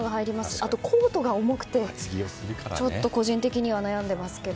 あとはコートが重くて個人的には悩んでいますけど。